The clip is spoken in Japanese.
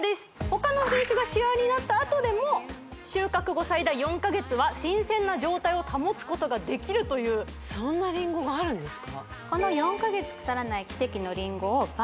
他の品種がシワになった後でも収穫後最大４か月は新鮮な状態を保つことができるというそんなリンゴがあるんですか？